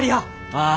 ああ。